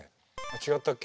違ったっけ？